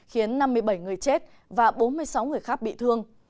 khiến năm mươi bảy người chết và bốn mươi sáu người khác bị thương